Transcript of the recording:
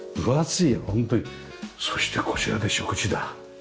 そしてこちらで食事だ。